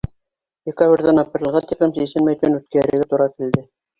Декабрҙән апрелгә тиклем сисенмәй төн үткәрергә тура килде.